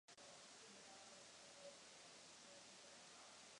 Vývojáři se tak mohou zaměřit přímo na cíl své aplikace.